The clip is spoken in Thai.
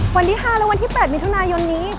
วันที่๕และวันที่๘มิถุนายนนี้